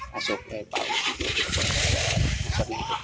masuk eh bawah